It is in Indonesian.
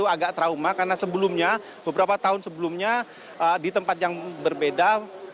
agak trauma karena sebelumnya beberapa tahun sebelumnya di tempat yang berbeda